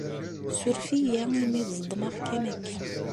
Ssuref-iyi imi d-ẓedmeɣ kan akka.